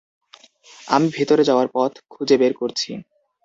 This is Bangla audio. আমি ভিতরে যাওয়ার পথ খুঁজে বের করছি।